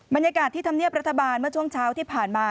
บรรยากาศที่ธรรมเนียบรัฐบาลเมื่อช่วงเช้าที่ผ่านมา